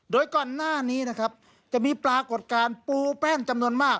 โดยก่อนหน้านี้นะครับจะมีปรากฏการณ์ปูแป้นจำนวนมาก